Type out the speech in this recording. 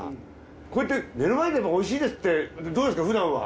こうやって目の前で美味しいですってどうですか普段は？